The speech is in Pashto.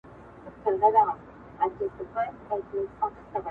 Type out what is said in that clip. ما کله د ګُلونو د یارۍ نه توبه کړې